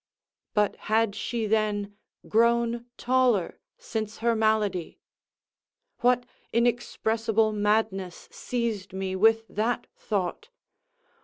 —but had she then grown taller since her malady? What inexpressible madness seized me with that thought?